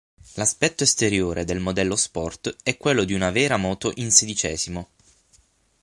L'aspetto esteriore del modello sport è quello di una vera moto in sedicesimo.